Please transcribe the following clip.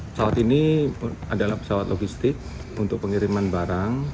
pesawat ini adalah pesawat logistik untuk pengiriman barang